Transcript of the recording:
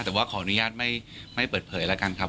แต่ว่าขออนุญาตไม่เปิดเผยแล้วกันครับ